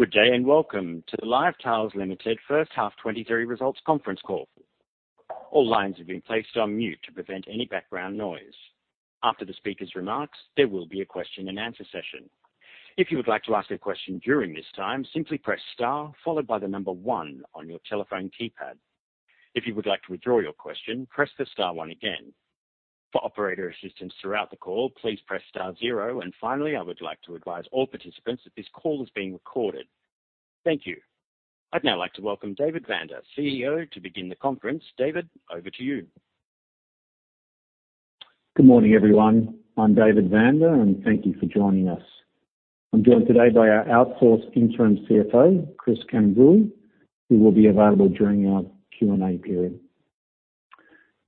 Good day. Welcome to the LiveTiles Limited first half 2023 results conference call. All lines have been placed on mute to prevent any background noise. After the speaker's remarks, there will be a question and answer session. If you would like to ask a question during this time, simply press star followed by the number one on your telephone keypad. If you would like to withdraw your question, press the star one again. For operator assistance throughout the call, please press star 0. Finally, I would like to advise all participants that this call is being recorded. Thank you. I'd now like to welcome David Vander, CEO, to begin the conference. David, over to you. Good morning, everyone. I'm David Vander. Thank you for joining us. I'm joined today by our outsourced interim CFO, Chris Cambray, who will be available during our Q&A period.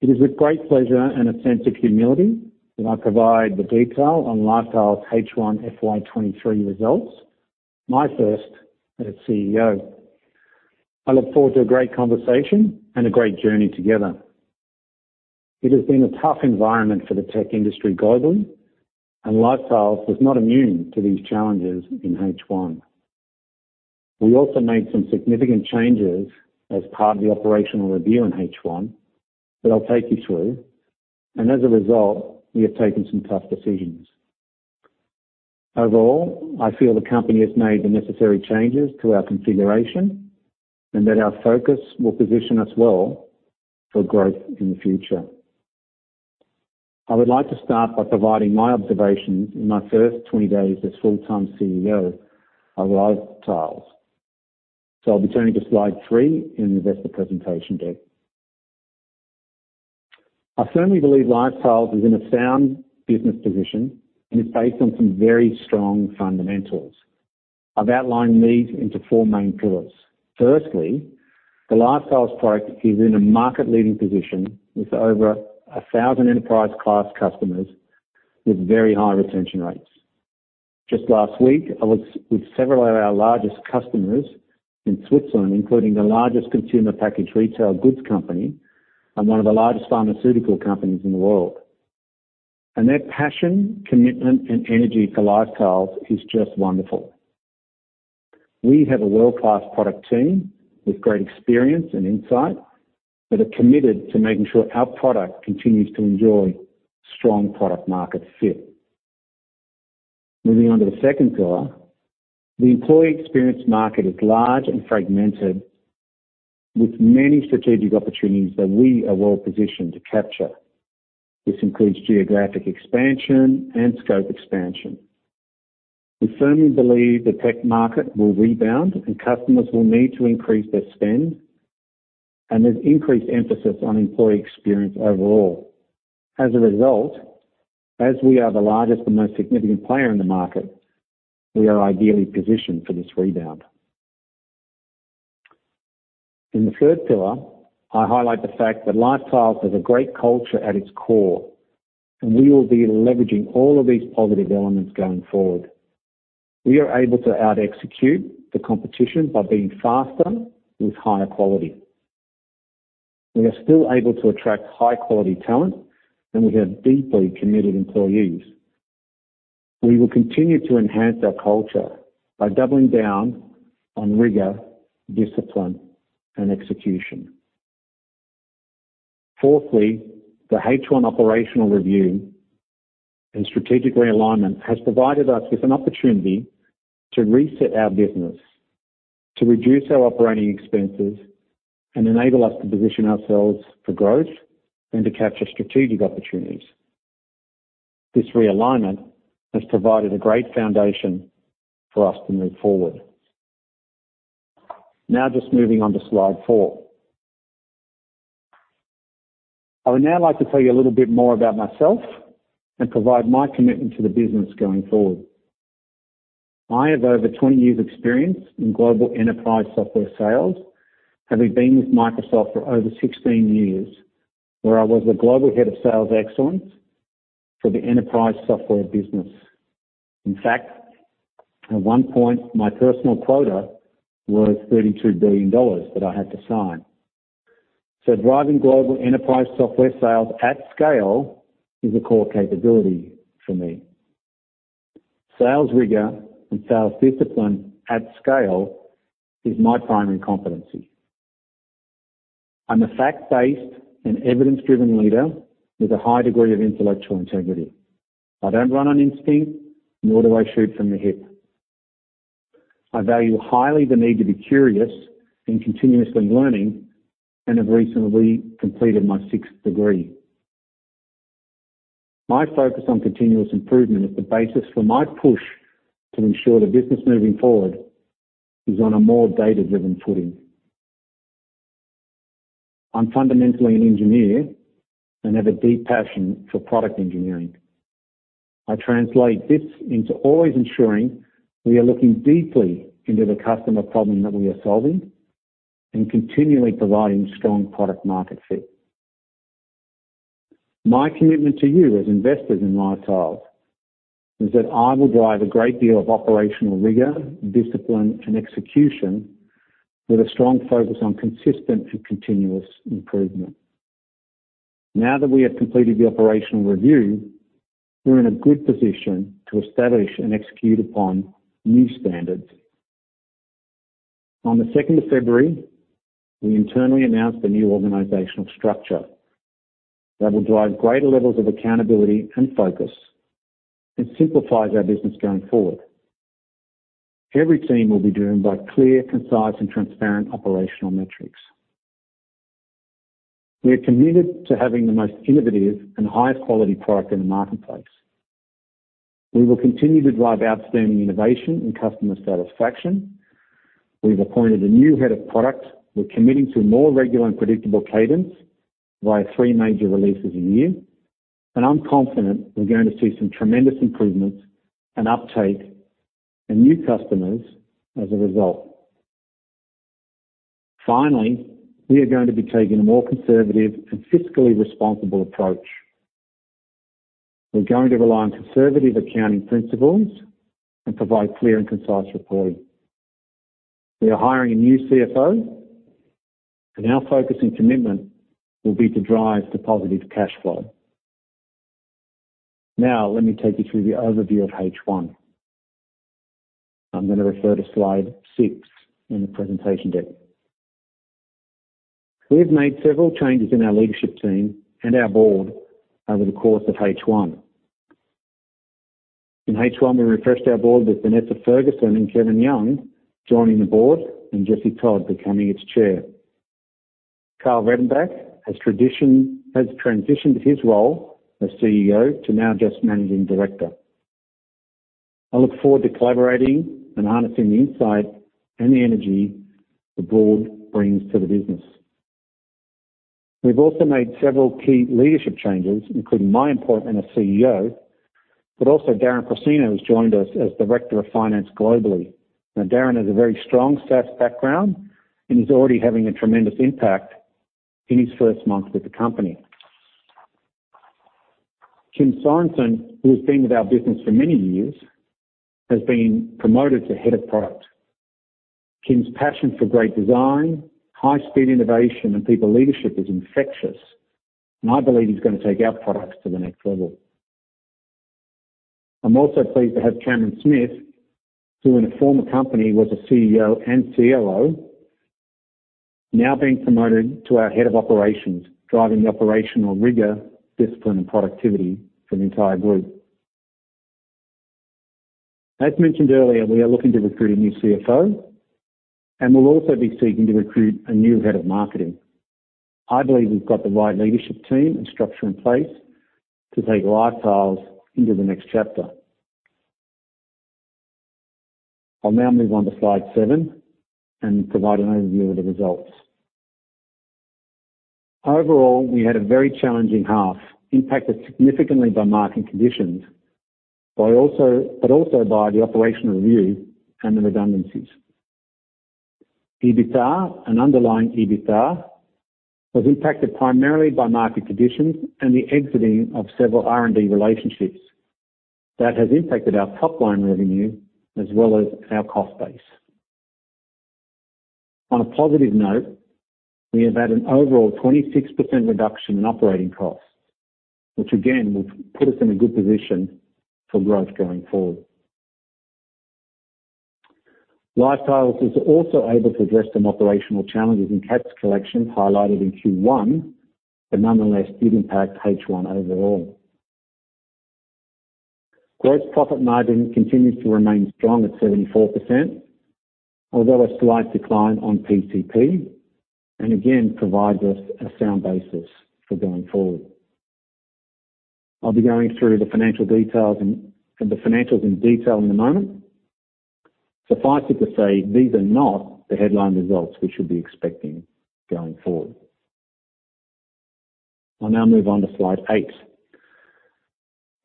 It is with great pleasure and a sense of humility that I provide the detail on LiveTiles H1 FY23 results, my first as CEO. I look forward to a great conversation and a great journey together. It has been a tough environment for the tech industry globally. LiveTiles was not immune to these challenges in H1. We also made some significant changes as part of the operational review in H1 that I'll take you through. As a result, we have taken some tough decisions. Overall, I feel the company has made the necessary changes to our configuration and that our focus will position us well for growth in the future. I would like to start by providing my observations in my first 20 days as full-time CEO of LiveTiles. I'll be turning to slide three in the investor presentation deck. I firmly believe LiveTiles is in a sound business position and is based on some very strong fundamentals. I've outlined these into four main pillars. Firstly, the LiveTiles product is in a market-leading position with over 1,000 enterprise class customers with very high retention rates. Just last week, I was with several of our largest customers in Switzerland, including the largest consumer packaged retail goods company and one of the largest pharmaceutical companies in the world. Their passion, commitment, and energy for LiveTiles is just wonderful. We have a world-class product team with great experience and insight that are committed to making sure our product continues to enjoy strong product market fit. Moving on to the second pillar. The employee experience market is large and fragmented, with many strategic opportunities that we are well positioned to capture. This includes geographic expansion and scope expansion. We firmly believe the tech market will rebound and customers will need to increase their spend. There's increased emphasis on employee experience overall. As a result, as we are the largest and most significant player in the market, we are ideally positioned for this rebound. In the third pillar, I highlight the fact that LiveTiles has a great culture at its core. We will be leveraging all of these positive elements going forward. We are able to out-execute the competition by being faster with higher quality. We are still able to attract high-quality talent. We have deeply committed employees. We will continue to enhance our culture by doubling down on rigor, discipline, and execution. Fourthly, the H1 operational review and strategic realignment has provided us with an opportunity to reset our business, to reduce our operating expenses, and enable us to position ourselves for growth and to capture strategic opportunities. This realignment has provided a great foundation for us to move forward. Now just moving on to slide four. I would now like to tell you a little bit more about myself and provide my commitment to the business going forward. I have over 20 years' experience in global enterprise software sales, having been with Microsoft for over 16 years, where I was the global head of sales excellence for the enterprise software business. In fact, at one point, my personal quota was $32 billion that I had to sign. Driving global enterprise software sales at scale is a core capability for me. Sales rigor and sales discipline at scale is my primary competency. I'm a fact-based and evidence-driven leader with a high degree of intellectual integrity. I don't run on instinct, nor do I shoot from the hip. I value highly the need to be curious in continuously learning and have recently completed my sixth degree. My focus on continuous improvement is the basis for my push to ensure the business moving forward is on a more data-driven footing. I'm fundamentally an engineer and have a deep passion for product engineering. I translate this into always ensuring we are looking deeply into the customer problem that we are solving and continually providing strong product market fit. My commitment to you as investors in LiveTiles is that I will drive a great deal of operational rigor, discipline, and execution with a strong focus on consistent and continuous improvement. Now that we have completed the operational review, we're in a good position to establish and execute upon new standards. On the second of February, we internally announced the new organizational structure that will drive greater levels of accountability and focus. It simplifies our business going forward. Every team will be driven by clear, concise, and transparent operational metrics. We are committed to having the most innovative and highest quality product in the marketplace. We will continue to drive outstanding innovation and customer satisfaction. We've appointed a new head of product. We're committing to a more regular and predictable cadence via three major releases a year. I'm confident we're going to see some tremendous improvements and uptake and new customers as a result. Finally, we are going to be taking a more conservative and fiscally responsible approach. We're going to rely on conservative accounting principles and provide clear and concise reporting. We are hiring a new CFO, and our focus and commitment will be to drive to positive cash flow. Let me take you through the overview of H1. I'm going to refer to slide six in the presentation deck. We have made several changes in our leadership team and our board over the course of H1. In H1, we refreshed our board with Vanessa Ferguson and Kevin Young joining the board and Jesse Todd becoming its chair. Karl Redenbach has transitioned his role as CEO to now just Managing Director. I look forward to collaborating and harnessing the insight and the energy the board brings to the business. We've also made several key leadership changes, including my appointment as CEO, but also Darren Pruscino has joined us as Director of Finance globally. Darren has a very strong SaaS background, and he's already having a tremendous impact in his first month with the company. Kim Sørensen, who has been with our business for many years, has been promoted to Head of Product. Kim's passion for great design, high-speed innovation, and people leadership is infectious, and I believe he's gonna take our products to the next level. I'm also pleased to have Cameron Smith, who in a former company was a CEO and COO, now being promoted to our Head of Operations, driving the operational rigor, discipline, and productivity for the entire group. As mentioned earlier, we are looking to recruit a new CFO, and we'll also be seeking to recruit a new head of marketing. I believe we've got the right leadership team and structure in place to take LiveTiles into the next chapter. I'll now move on to slide seven and provide an overview of the results. Overall, we had a very challenging half, impacted significantly by market conditions, but also by the operational review and the redundancies. EBITDA and underlying EBITDA was impacted primarily by market conditions and the exiting of several R&D relationships. That has impacted our top-line revenue as well as our cost base. On a positive note, we have had an overall 26% reduction in operating costs, which again, will put us in a good position for growth going forward. LiveTiles was also able to address some operational challenges in caps collections highlighted in Q1, but nonetheless did impact H1 overall. Gross profit margin continues to remain strong at 74%, although a slight decline on PCP, and again, provides us a sound basis for going forward. I'll be going through the financial details and, the financials in detail in a moment. Suffice it to say, these are not the headline results we should be expecting going forward. I'll now move on to slide eight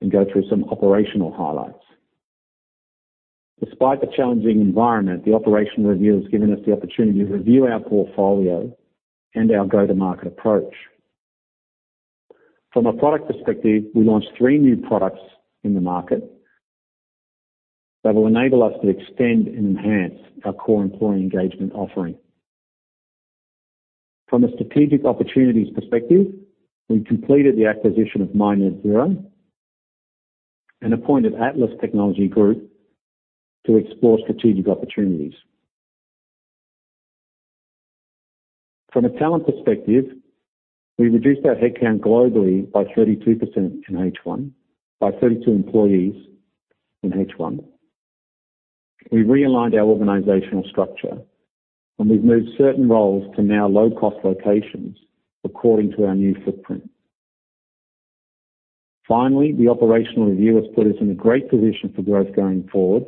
and go through some operational highlights. Despite the challenging environment, the operational review has given us the opportunity to review our portfolio and our go-to-market approach. From a product perspective, we launched three new products in the market that will enable us to extend and enhance our core employee engagement offering. From a strategic opportunities perspective, we completed the acquisition of My Net Zero and appointed Atlas Technology Group to explore strategic opportunities. From a talent perspective, we reduced our headcount globally by 32 employees in H1. We've realigned our organizational structure, we've moved certain roles to now low-cost locations according to our new footprint. Finally, the operational review has put us in a great position for growth going forward,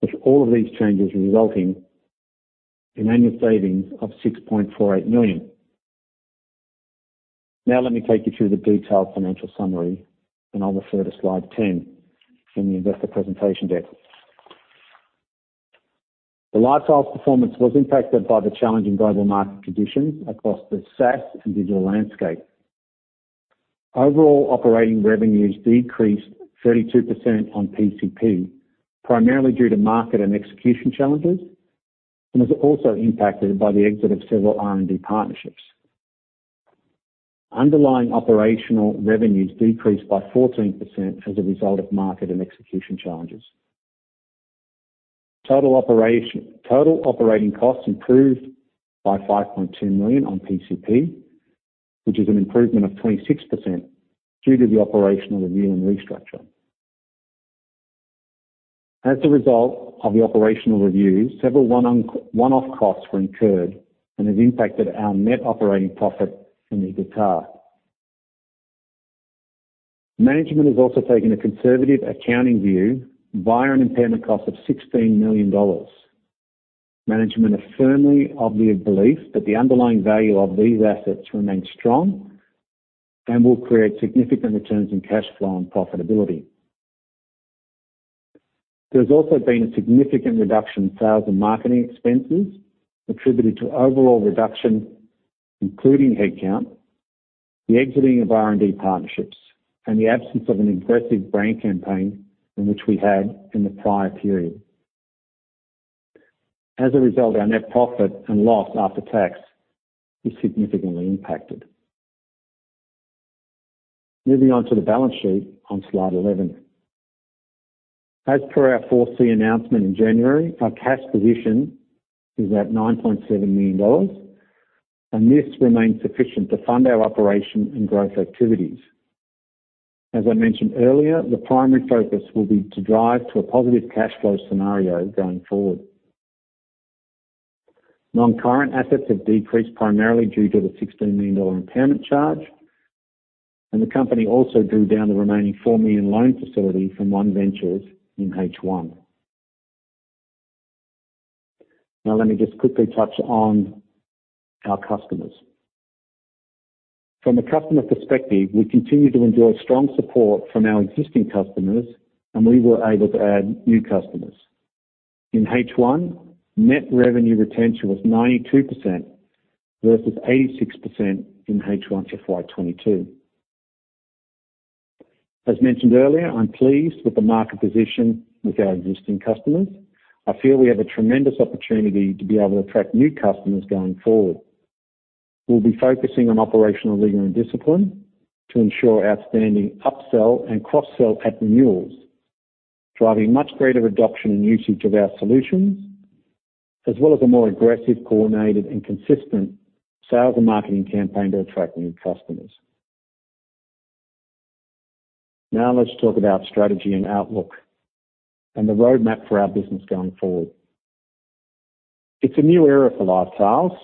with all of these changes resulting in annual savings of 6.48 million. Let me take you through the detailed financial summary, and I'll refer to slide 10 in the investor presentation deck. The LiveTiles performance was impacted by the challenging global market conditions across the SaaS and digital landscape. Overall operating revenues decreased 32% on PCP, primarily due to market and execution challenges. Is also impacted by the exit of several R&D partnerships. Underlying operational revenues decreased by 14% as a result of market and execution challenges. Total operating costs improved by $5.2 million on PCP, which is an improvement of 26% due to the operational review and restructure. As a result of the operational review, several one-off costs were incurred and have impacted our net operating profit in the third quarter. Management has also taken a conservative accounting view via an impairment cost of $16 million. Management are firmly of the belief that the underlying value of these assets remains strong and will create significant returns in cash flow and profitability. There's also been a significant reduction in sales and marketing expenses attributed to overall reduction, including headcount, the exiting of R&D partnerships, and the absence of an aggressive brand campaign in which we had in the prior period. Our net profit and loss after tax is significantly impacted. Moving on to the balance sheet on slide 11. As per our 4C announcement in January, our cash position is at 9.7 million dollars, this remains sufficient to fund our operation and growth activities. As I mentioned earlier, the primary focus will be to drive to a positive cash flow scenario going forward. Non-current assets have decreased primarily due to the 16 million impairment charge, the company also drew down the remaining 4 million loan facility from OneVentures in H1. Let me just quickly touch on our customers. From a customer perspective, we continue to enjoy strong support from our existing customers, and we were able to add new customers. In H1, net revenue retention was 92% versus 86% in H1 FY22. As mentioned earlier, I'm pleased with the market position with our existing customers. I feel we have a tremendous opportunity to be able to attract new customers going forward. We'll be focusing on operational rigor and discipline to ensure outstanding upsell and cross-sell at renewals, driving much greater adoption and usage of our solutions, as well as a more aggressive, coordinated, and consistent sales and marketing campaign to attract new customers. Let's talk about strategy and outlook and the roadmap for our business going forward. It's a new era for LiveTiles.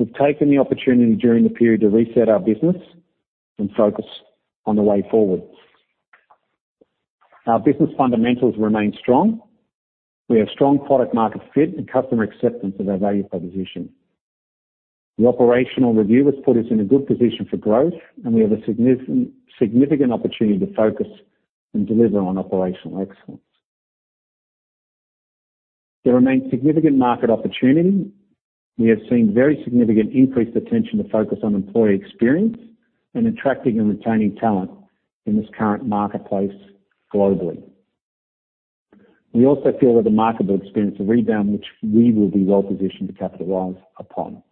We've taken the opportunity during the period to reset our business and focus on the way forward. Our business fundamentals remain strong. We have strong product market fit and customer acceptance of our value proposition. The operational review has put us in a good position for growth, and we have a significant opportunity to focus and deliver on operational excellence. There remains significant market opportunity. We have seen very significant increased attention to focus on employee experience and attracting and retaining talent in this current marketplace globally. We also feel that the market will experience a rebound, which we will be well positioned to capitalize upon.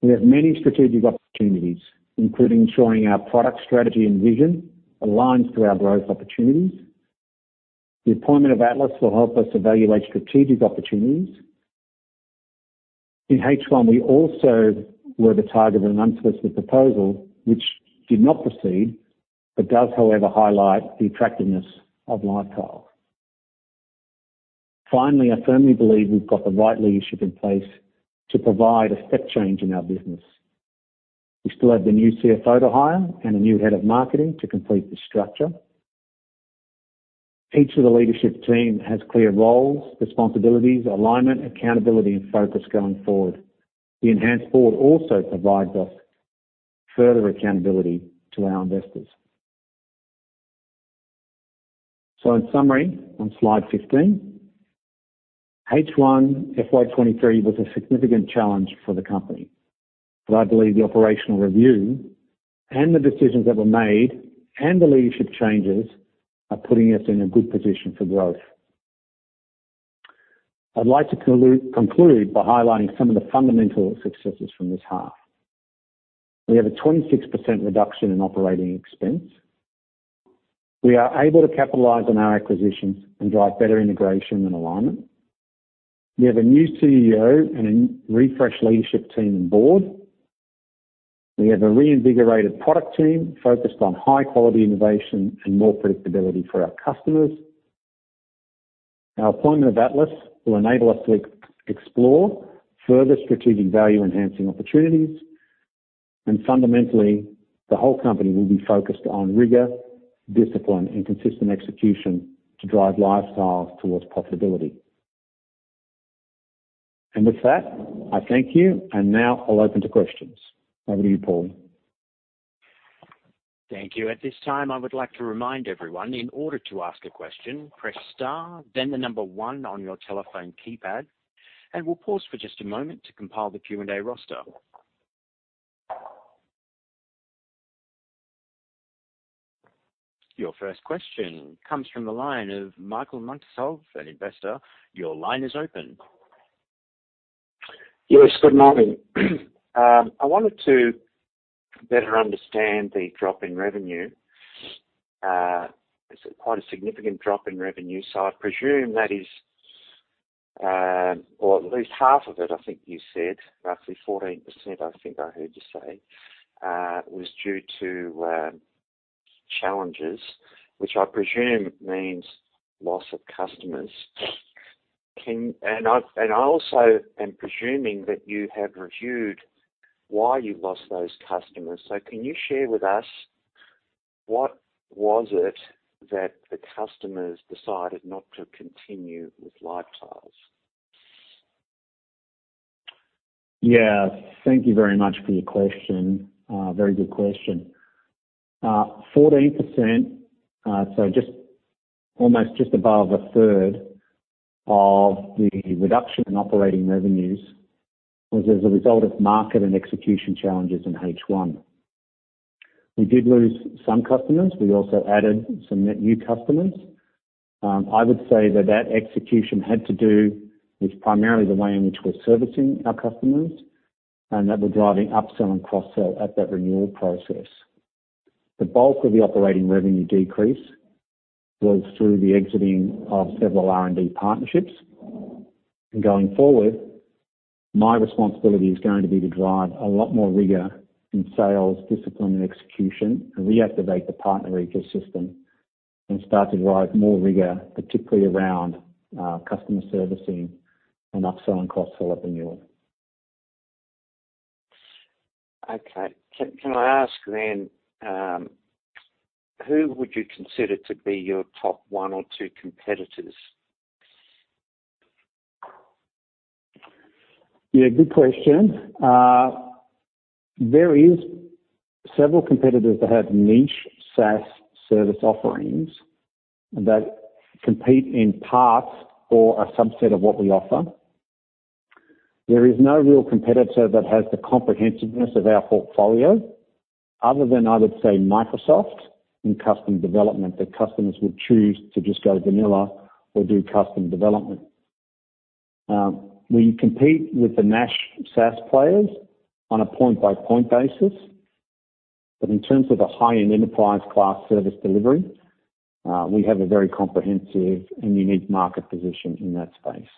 We have many strategic opportunities, including ensuring our product strategy and vision aligns to our growth opportunities. The appointment of Atlas will help us evaluate strategic opportunities. In H1, we also were the target of an unsolicited proposal, which did not proceed, but does, however, highlight the attractiveness of LiveTiles. I firmly believe we've got the right leadership in place to provide a step change in our business. We still have the new CFO to hire and a new head of marketing to complete the structure. Each of the leadership team has clear roles, responsibilities, alignment, accountability and focus going forward. The enhanced board also provides us further accountability to our investors. In summary, on slide 15, H1 FY23 was a significant challenge for the company. I believe the operational review and the decisions that were made and the leadership changes are putting us in a good position for growth. I'd like to conclude by highlighting some of the fundamental successes from this half. We have a 26% reduction in OpEx. We are able to capitalize on our acquisitions and drive better integration and alignment. We have a new CEO and a refreshed leadership team and board. We have a reinvigorated product team focused on high quality innovation and more predictability for our customers. Our appointment of Atlas will enable us to explore further strategic value-enhancing opportunities. Fundamentally, the whole company will be focused on rigor, discipline, and consistent execution to drive LiveTiles towards profitability. With that, I thank you. Now I'll open to questions. Over to you, Paul. Thank you. At this time, I would like to remind everyone, in order to ask a question, press star, then the number one on your telephone keypad. We'll pause for just a moment to compile the Q&A roster Your first question comes from the line of Michael Muncasov, an investor. Your line is open. Yes, good morning. I wanted to better understand the drop in revenue. It's quite a significant drop in revenue, so I presume that is, or at least half of it, I think you said roughly 14%, I think I heard you say, was due to challenges which I presume means loss of customers. And I also am presuming that you have reviewed why you lost those customers. Can you share with us what was it that the customers decided not to continue with LiveTiles? Yeah. Thank you very much for your question. Very good question. 14%, so just almost just above a third of the reduction in operating revenues was as a result of market and execution challenges in H1. We did lose some customers. We also added some net new customers. I would say that that execution had to do with primarily the way in which we're servicing our customers and that we're driving upsell and cross-sell at that renewal process. The bulk of the operating revenue decrease was through the exiting of several R&D partnerships. Going forward, my responsibility is going to be to drive a lot more rigor in sales, discipline and execution and reactivate the partner ecosystem and start to drive more rigor, particularly around customer servicing and upsell and cross-sell at renewal. Okay. Can I ask then, who would you consider to be your top one or two competitors? Yeah, good question. There is several competitors that have niche SaaS service offerings that compete in parts or a subset of what we offer. There is no real competitor that has the comprehensiveness of our portfolio other than, I would say, Microsoft in custom development, that customers would choose to just go vanilla or do custom development. We compete with the niche SaaS players on a point-by-point basis. In terms of a high-end enterprise class service delivery, we have a very comprehensive and unique market position in that space.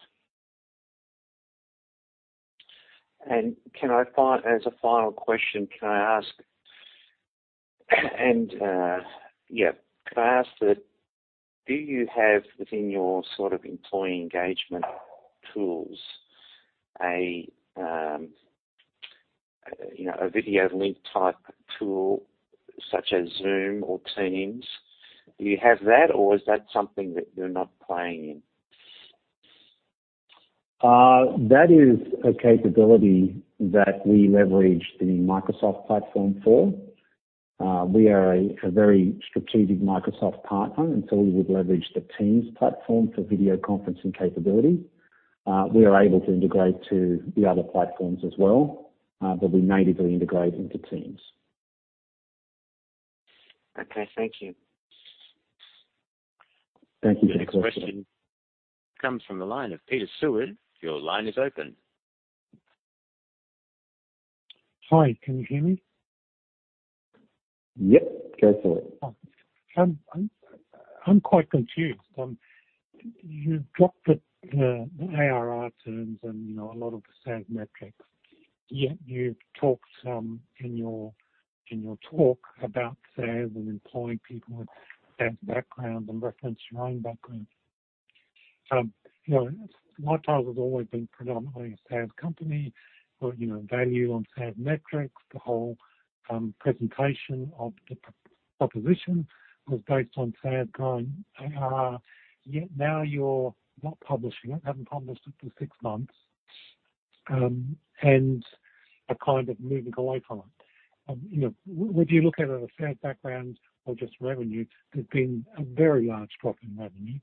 As a final question, can I ask, and, yeah. Can I ask that, do you have within your sort of employee engagement tools a, you know, a video link type tool such as Zoom or Teams? Do you have that or is that something that you're not playing in? That is a capability that we leverage the Microsoft platform for. We are a very strategic Microsoft partner, and so we would leverage the Teams platform for video conferencing capability. We are able to integrate to the other platforms as well, but we natively integrate into Teams. Okay. Thank you. Thank you for your question. Next question comes from the line of Peter Sowerby. Your line is open. Hi. Can you hear me? Yep. Go for it. I'm quite confused. You've dropped the ARR terms and, you know, a lot of the SaaS metrics. You've talked some in your talk about SaaS and employing people with SaaS background and reference your own background. You know, LiveTiles has always been predominantly a SaaS company. You know, value on SaaS metrics, the whole presentation of the proposition was based on SaaS going, now you're not publishing it, haven't published it for six months, and are kind of moving away from it. You know, would you look at it a SaaS background or just revenue? There's been a very large drop in revenue,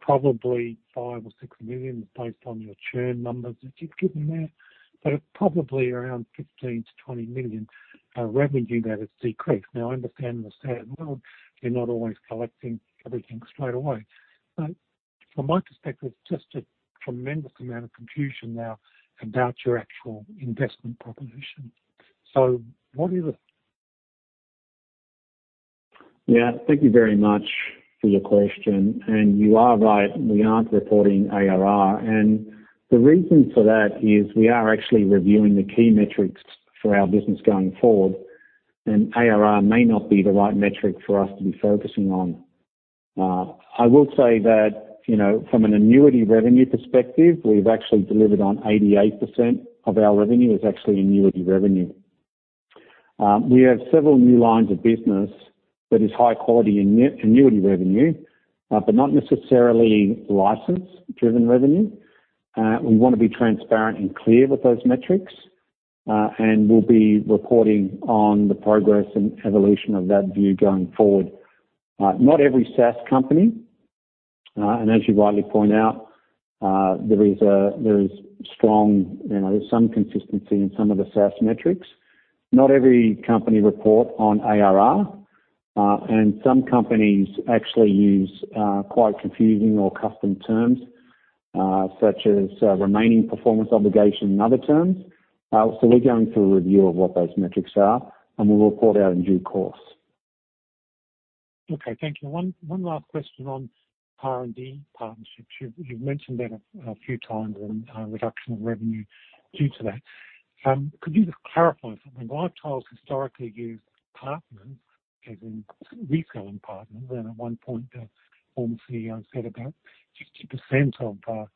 probably 5 million or 6 million based on your churn numbers that you've given there. It's probably around 15 million-20 million revenue that has decreased. I understand the SaaS world, you're not always collecting everything straight away. From my perspective, just a tremendous amount of confusion now about your actual investment proposition. What is it? Yeah. Thank you very much for your question. You are right, we aren't reporting ARR. The reason for that is we are actually reviewing the key metrics for our business going forward, and ARR may not be the right metric for us to be focusing on. I will say that, you know, from an annuity revenue perspective, we've actually delivered on 88% of our revenue is actually annuity revenue. We have several new lines of business that is high quality annuity revenue, but not necessarily license-driven revenue. We wanna be transparent and clear with those metrics, and we'll be reporting on the progress and evolution of that view going forward. As you rightly point out, there is strong, you know, there's some consistency in some of the SaaS metrics. Not every company report on ARR, and some companies actually use, quite confusing or custom terms, such as, Remaining Performance Obligation and other terms. We're going through a review of what those metrics are, and we'll report out in due course. Okay, thank you. One, one last question on R&D partnerships. You've mentioned that a few times and reduction of revenue due to that. Could you just clarify for me why LiveTiles historically used partners as in reselling partners, and at one point, the former CEO said about 50% of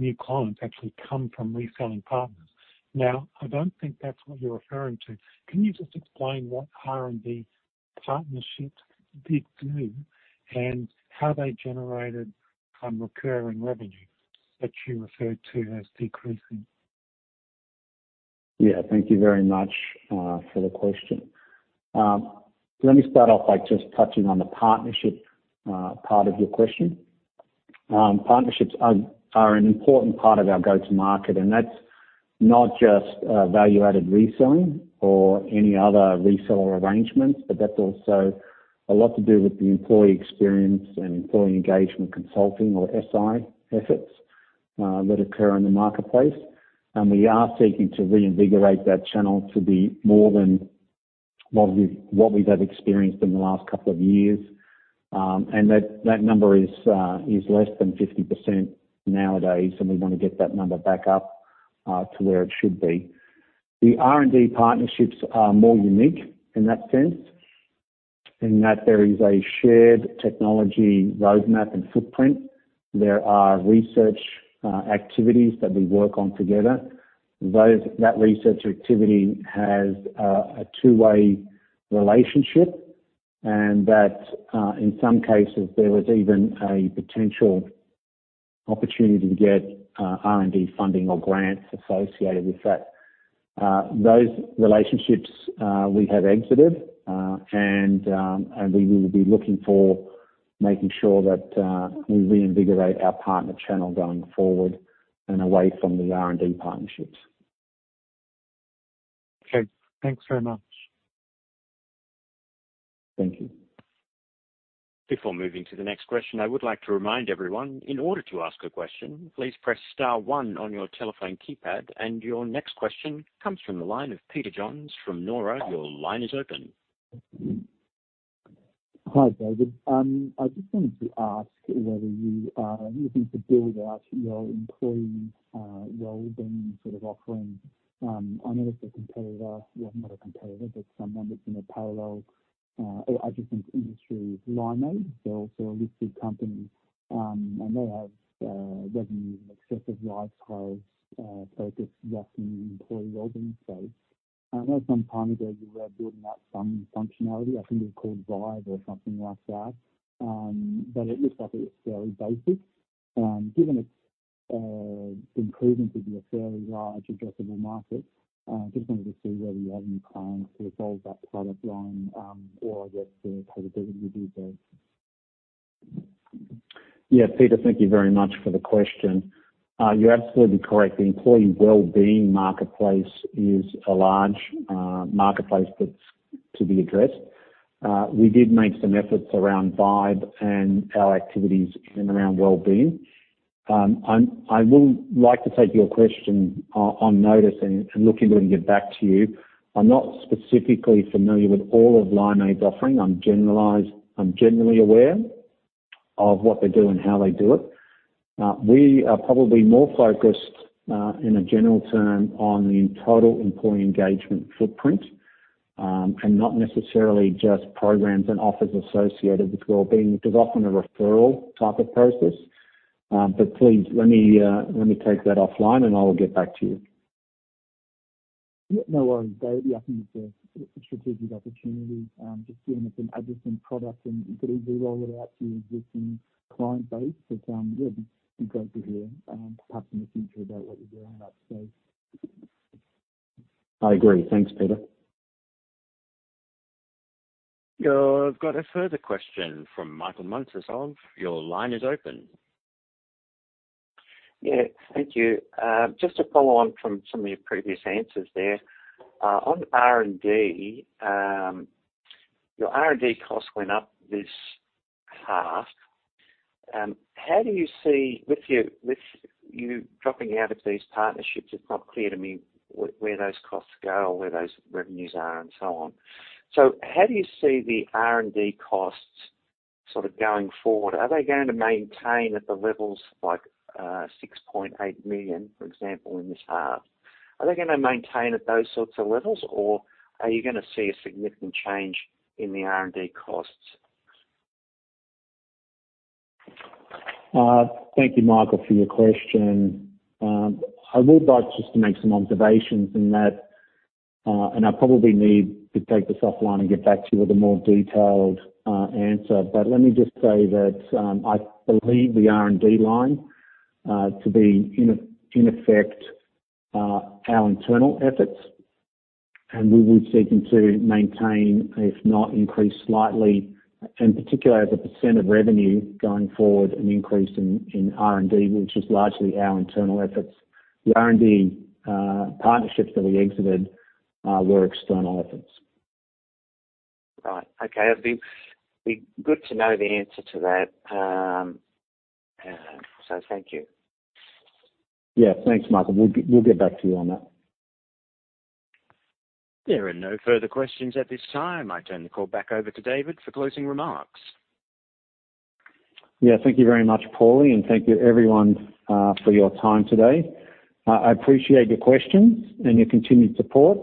new clients actually come from reselling partners. Now, I don't think that's what you're referring to. Can you just explain what R&D partnerships did do and how they generated recurring revenue that you referred to as decreasing? Yeah, thank you very much for the question. Let me start off by just touching on the partnership, part of your question. Partnerships are an important part of our go-to market, and that's not just value-added reselling or any other reseller arrangements, but that's also a lot to do with the employee experience and employee engagement consulting or SI efforts, that occur in the marketplace. And we are seeking to reinvigorate that channel to be more than what we've, what we have experienced in the last couple of years. And that number is less than 50% nowadays, and we want to get that number back up to where it should be. The R&D partnerships are more unique in that sense, in that there is a shared technology roadmap and footprint. There are research activities that we work on together. That research activity has a two-way relationship and that, in some cases, there was even a potential opportunity to get R&D funding or grants associated with that. Those relationships, we have exited, and we will be looking for making sure that we reinvigorate our partner channel going forward and away from the R&D partnerships. Okay, thanks very much. Thank you. Before moving to the next question, I would like to remind everyone, in order to ask a question, please press star one on your telephone keypad. Your next question comes from the line of Peter Johns from Morgans. Your line is open. Hi, David. I just wanted to ask whether you are looking to build out your employee wellbeing sort of offering. I know it's a competitor. Well, not a competitor, but someone that's in a parallel, I just think industry Limeade. They're also a listed company, they have revenues in excess of LiveTiles's focus roughly in the employee wellbeing space. I know some time ago, you were building out some functionality. I think it was called Vibe or something like that, it looked like it was fairly basic. Given its improvements with your fairly large addressable market, just wanted to see whether you had any plans to evolve that product line, I guess to kind of compete with these guys. Yeah, Peter, thank you very much for the question. You're absolutely correct. The employee wellbeing marketplace is a large marketplace that's to be addressed. We did make some efforts around Vibe and our activities in and around wellbeing. I will like to take your question on notice and look into it and get back to you. I'm not specifically familiar with all of Limeade's offering. I'm generally aware of what they do and how they do it. We are probably more focused in a general term on the total employee engagement footprint and not necessarily just programs and offers associated with wellbeing, which is often a referral type of process. Please let me take that offline, and I will get back to you. Yeah, no worries, David. I think it's a strategic opportunity, just given it's an adjacent product. You could easily roll it out to your existing client base. It's, yeah, be great to hear, perhaps in the future about what you're doing in that space. I agree. Thanks, Peter. You've got a further question from Michael Muncasov. Your line is open. Yeah. Thank you. Just to follow on from some of your previous answers there. On R&D, your R&D costs went up this half. How do you see with you, with you dropping out of these partnerships, it's not clear to me where those costs go or where those revenues are and so on. How do you see the R&D costs sort of going forward? Are they going to maintain at the levels like, 6.8 million, for example, in this half? Are they gonna maintain at those sorts of levels, or are you gonna see a significant change in the R&D costs? Thank you, Michael, for your question. I would like just to make some observations in that, I probably need to take this offline and get back to you with a more detailed answer. Let me just say that I believe the R&D line to be in effect our internal efforts, and we would seek them to maintain, if not increase slightly, particularly as a percent of revenue going forward, an increase in R&D, which is largely our internal efforts. The R&D partnerships that we exited were external efforts. Okay. It'd be good to know the answer to that. Thank you. Yeah. Thanks, Michael. We'll get back to you on that. There are no further questions at this time. I turn the call back over to David for closing remarks. Yeah. Thank you very much, Paul, thank you everyone for your time today. I appreciate your questions and your continued support,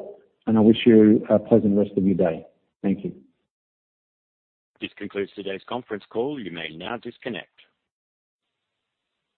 I wish you a pleasant rest of your day. Thank you. This concludes today's conference call. You may now disconnect.